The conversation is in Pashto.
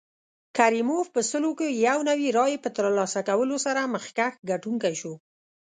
کریموف په سلو کې یو نوي رایې په ترلاسه کولو سره مخکښ ګټونکی شو.